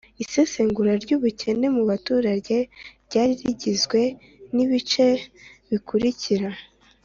isesengura ry'ubukene mu baturage ryari rigizwe n'ibice bikurikira: